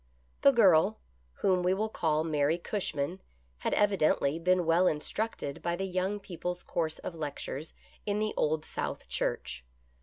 The girl, whom we will call Mary Cushman, had evi dently been well instructed by the Young People's Course of Lectures in the Old South Church.